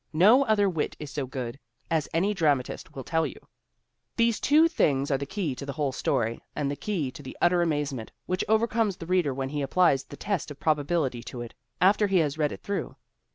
No other wit is so good, as any dramatist will tell you. These two things are the key to the whole story and the key to the utter amazement which overcomes the reader when he applies the test of probability to it after he has read it through.